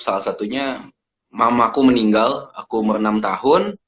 salah satunya mamaku meninggal aku umur enam tahun